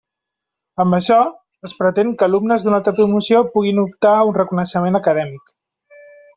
Amb això, es pretén que alumnes d'una altra promoció puguen optar a un reconeixement acadèmic.